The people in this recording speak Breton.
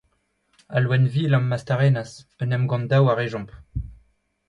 Al loen vil a'm mastarennas : un emgann-daou a rejomp !